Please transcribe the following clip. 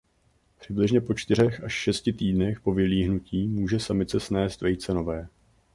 Přibližně po čtyřech až šesti týdnech po vylíhnutí může samice snést vejce nové.